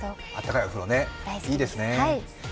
いいですね。